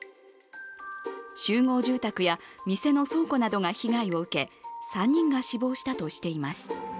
集合住宅や店の倉庫などが被害を受け、３人が死亡したとしています。